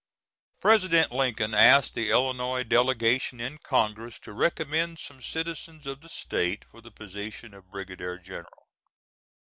[President Lincoln asked the Illinois delegation in Congress to recommend some citizens of the State for the position of brigadier general.